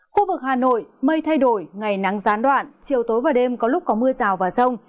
khu vực hà nội mây thay đổi ngày nắng gián đoạn chiều tối và đêm có lúc có mưa rào và rông